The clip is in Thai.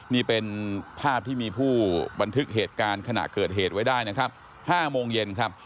นี่เป็นภาพที่มีผู้บันทึกเหตุการณ์ขณะเกิดเหตุไว้ได้นะครับ๕โมงเย็นครับ